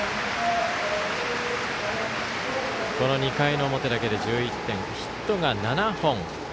２回の表だけで１１点ヒットが７本。